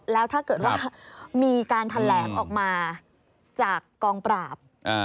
แล้วถ้าเกิดว่ามีการแถลงออกมาจากกองปราบ